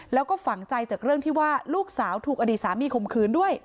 แล้วก็ฝังใจจากเรื่องที่ว่าลูกสาวถูกอดีตสามีข่มขืนด้วย